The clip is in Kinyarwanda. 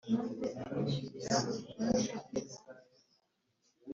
iyo itaba ikirere, indege ntishobora kuguruka.